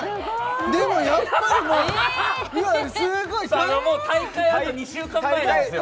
でもやっぱりうわすごいもう大会あと２週間前なんですよ